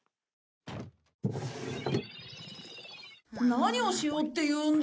何をしようっていうんだよ？